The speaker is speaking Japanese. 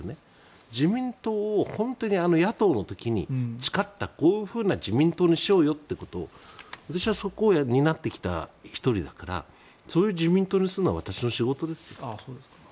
自民党を本当に野党の時に誓ったこういうふうな自民党にしようよということを私はそこを担ってきた１人だからそういう自民党にするのは私の仕事ですよ。